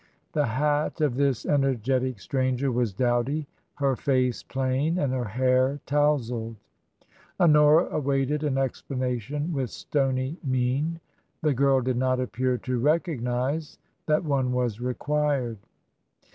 The hat of this energetic stranger was dowdy, her face plain, and her hair touzled. Honora awaited an explanation with stony mien. The girl did not appear to recognise that one was required.